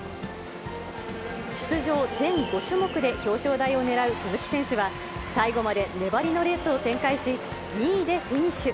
出場全５種目で表彰台をねらう鈴木選手は、最後まで粘りのレースを展開し、２位でフィニッシュ。